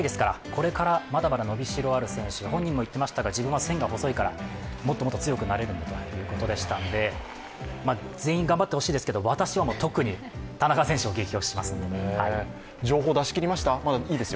これからまだまだ伸びしろがある選手で、本人も言っていましたが、自分は線が細いからもっともっと強くなれるんだと言っていましたので、全員頑張ってほしいですけど私は特に田中選手をゲキ推ししますね。